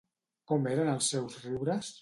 Com eren els seus riures?